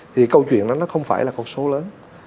thì câu chuyện đó nó không phải là con số lớn